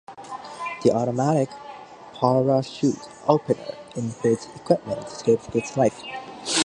The automatic parachute opener in his equipment saved his life.